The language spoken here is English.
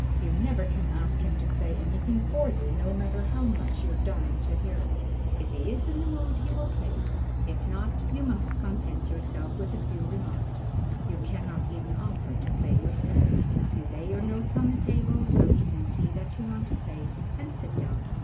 You never can ask him to play anything for you, no matter how much you're dying to hear it. If he is in the mood he will play; if not, you must content yourself with a few remarks. You can not even offer to play yourself. You lay your notes on the table, so he can see that you want to play, and sit down.